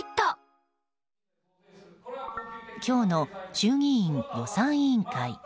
今日の衆議院予算委員会。